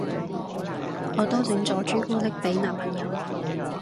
我都整咗朱古力俾男朋友